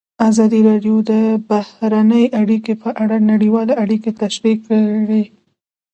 ازادي راډیو د بهرنۍ اړیکې په اړه نړیوالې اړیکې تشریح کړي.